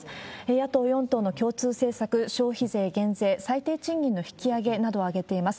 野党４党の共通政策、消費税減税、最低賃金の引き上げなどを挙げています。